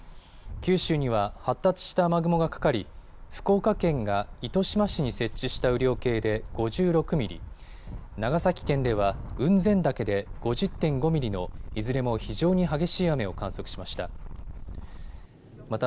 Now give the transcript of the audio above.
九州には発達した雨雲がかかり、福岡県が糸島市に設置した雨量計で５６ミリ、長崎県では雲仙岳で５０．５ミリのいずれも非常に激しい雨を観測しました。